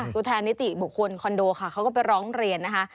ตัวแทนนิติบุคคลคอนโดค่ะเขาก็ไปร้องเรียนนะคะ